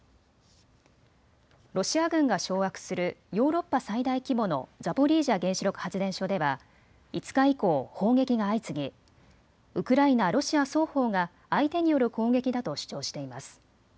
ロシア軍が掌握するヨーロッパ最大規模のザポリージャ原子力発電所では５日以降、砲撃が相次ぎウクライナ、ロシア双方が相手による攻撃だと主張しています。